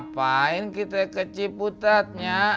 pahen kita k pressurenya